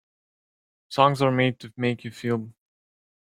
Songs are made to make you feel.